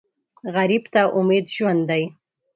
غریب ته امید ژوند دی